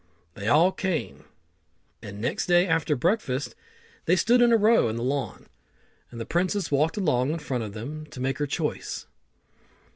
They all came, and next day after breakfast they stood in a row in the lawn, and the princess walked along in the front of them to make her choice.